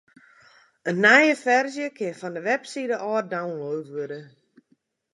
In nije ferzje kin fan de website ôf download wurde.